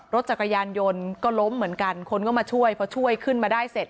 รถจักรยานยนต์ก็ล้มเหมือนกันคนก็มาช่วยพอช่วยขึ้นมาได้เสร็จ